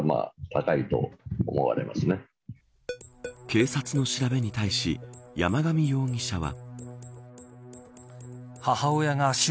警察の調べに対し山上容疑者は。